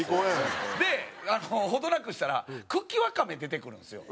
で程なくしたら茎わかめ出てくるんですよ。